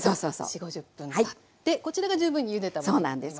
４０５０分たってこちらが十分にゆでたものになります。